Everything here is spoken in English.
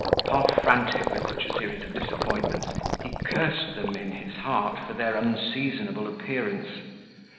Half frantic with such a series of disappointments, he cursed them in his heart for their unseasonable appearance.